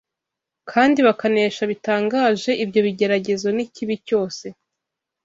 kandi bakanesha bitangaje ibyo bigeragezo n’ikibi cyose